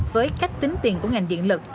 với cách tính tiền của ngành diện lực